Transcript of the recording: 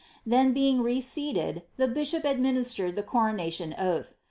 Then, being reseated, the bishop administered the coronation oath.